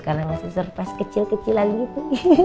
karena gak serpes kecil kecilan gitu